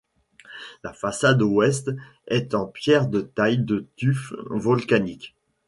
La façade ouest est en pierres de taille de tuf volcanique.